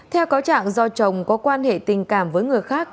theo cáo trạng do chồng có quan hệ tình cảm với người khác